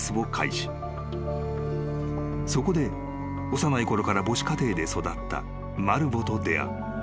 ［そこで幼いころから母子家庭で育ったマルヴォと出会う］